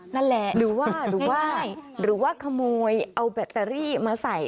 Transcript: นั่นแหละหรือว่าหรือว่าหรือว่าขโมยเอาแบตเตอรี่มาใส่